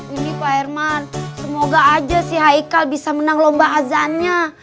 ini pak herman semoga aja si haikal bisa menang lomba azannya